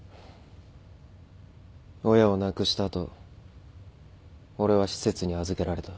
親を亡くした後俺は施設に預けられた。